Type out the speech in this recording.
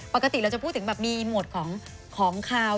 ปกติเราจะพูดถึงแบบมีหมวดของขาว